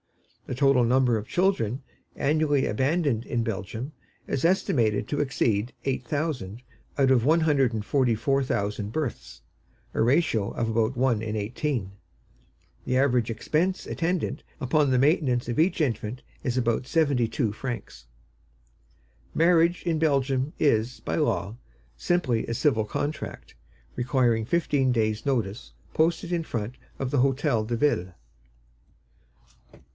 The total number of children annually abandoned in Belgium is estimated to exceed eight thousand out of one hundred and forty four thousand births, a ratio of about one in eighteen. The average expense attendant upon the maintenance of each infant is about seventy two francs. Marriage in Belgium is, by law, simply a civil contract, requiring fifteen days' notice posted in front of the Hôtel de Ville.